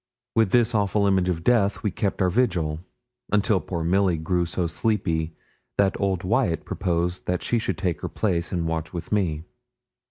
With this awful image of death we kept our vigil, until poor Milly grew so sleepy that old Wyat proposed that she should take her place and watch with me.